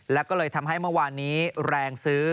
แล้วก็เลยทำให้เมื่อวานนี้แรงซื้อ